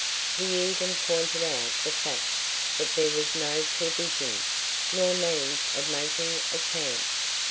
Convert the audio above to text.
He even pointed out the fact that there was no provision, nor means of making a camp.